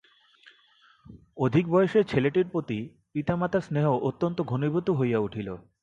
অধিক বয়সের ছেলেটির প্রতি পিতামাতার স্নেহ অত্যন্ত ঘনীভূত হইয়া উঠিল।